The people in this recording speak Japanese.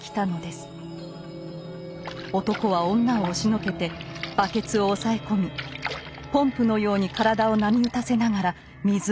男は女を押しのけてバケツを押さえ込みポンプのように体を波打たせながら水を飲みます。